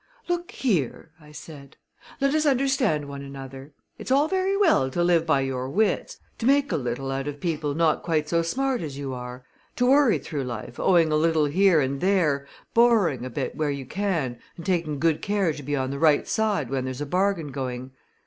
"Look here!" I said. "Let us understand one another. It's all very well to live by your wits; to make a little out of people not quite so smart as you are; to worry through life owing a little here and there, borrowing a bit where you can and taking good care to be on the right side when there's a bargain going.